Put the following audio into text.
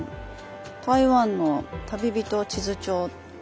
台湾の「旅人地図帳」。